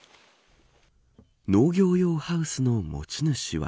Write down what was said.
農業用ハウスの持ち主は。